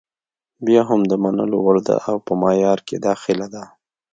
بیا هم د منلو وړ ده او په معیار کې داخله ده.